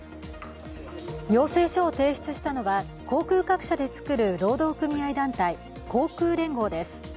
要請書を提出したのは航空各社で作る労働組合団体・航空連合です。